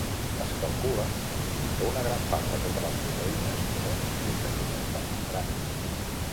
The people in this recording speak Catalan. Es calcula que una gran part de totes les proteïnes són proteïnes de membrana.